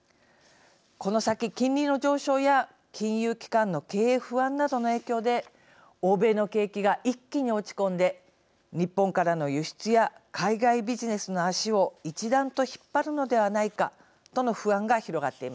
この先金利の上昇や金融機関の経営不安などの影響で欧米の景気が一気に落ち込んで日本からの輸出や海外ビジネスの足を一段と引っ張るのではないかとの不安が広がっています。